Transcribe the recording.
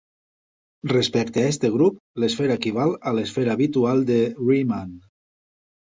Respecte a aquest grup, l'esfera equival a l'esfera habitual de Riemann.